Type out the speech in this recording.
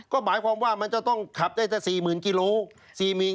ก็หมายความว่ามันจะต้องขับได้แต่๔๐๐๐กิโล